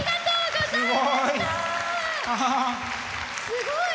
すごい！